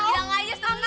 gilang aja setengah